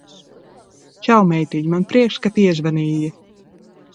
Čau, meitiņ! Man prieks, ka piezvanīji.